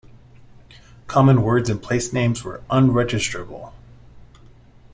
Common words and placenames were unregisterable.